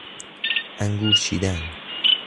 انگور چیدن